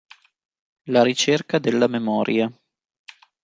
La ricerca della memoria".